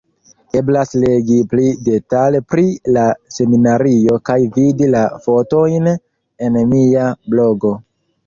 Eblas legi pli detale pri la seminario kaj vidi la fotojn en mia blogo.